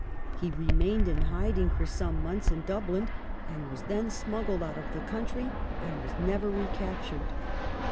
He remained in hiding for some months in Dublin and was then smuggled out of the country and was never recaptured.